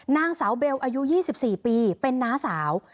นางสาวเบลอายุ๒๔ปีเป็นน้าสาว